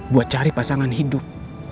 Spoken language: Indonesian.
buat cari pasangan hidup